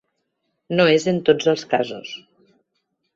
No és en tots els casos.